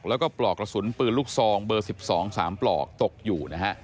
แล้วก็ปลอกกระสุนปืนลูกซองเบอร์๑๒๓ปลอกตกอยู่นะฮะ